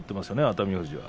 熱海富士は。